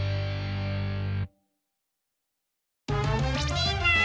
みんな！